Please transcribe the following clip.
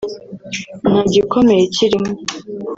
nta gikomeye kirimo